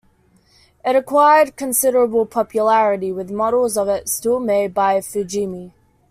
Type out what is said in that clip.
It acquired considerable popularity, with models of it still made by Fujimi.